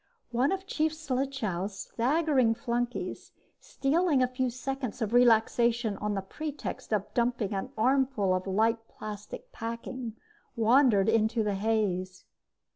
One of Chief Slichow's staggering flunkies, stealing a few seconds of relaxation on the pretext of dumping an armful of light plastic packing, wandered into the haze.